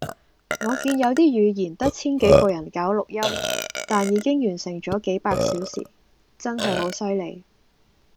我見有啲語言得千幾個人搞錄音，但已經完成咗幾百小時，真係好犀利